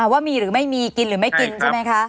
ว่ามีหรือไม่มีกินหรือไม่กินใช่ไหมคะ